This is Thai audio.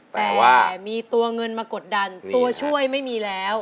แต่มีตัวเงินมากดดันตัวช่วยไม่มีแล้ว